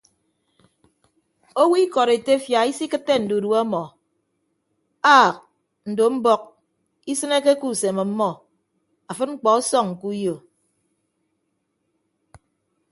Owo ikọd etefia isikịtte ndudue ọmọ aak ndo mbọk isịneke ke usem ọmmọ afịd mkpọ ọsọñ ke uyo.